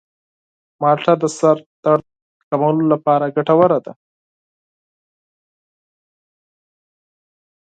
مالټه د سر درد کمولو لپاره ګټوره ده.